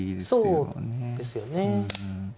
そうですよね。